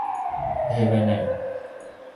ভেবে নে!